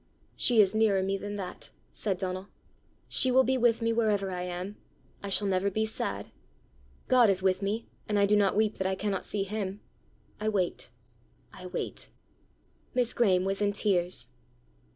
"She is nearer me than that," said Donal. "She will be with me wherever I am; I shall never be sad. God is with me, and I do not weep that I cannot see him: I wait; I wait." Miss Graeme was in tears.